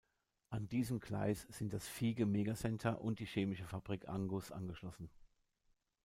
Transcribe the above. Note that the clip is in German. An diesem Gleis sind das Fiege-Megacenter und die Chemische Fabrik Angus angeschlossen.